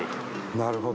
なるほど。